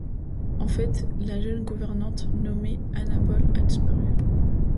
En fait, la jeune gouvernante nommée Anna Ball a disparu.